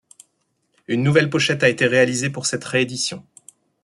Une nouvelle pochette a été réalisée pour cette ré-édition.